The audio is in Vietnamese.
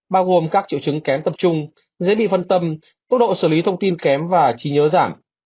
bao gồm các triệu chứng kém tập trung dễ bị phân tâm tốc độ xử lý thông tin kém và trí nhớ giảm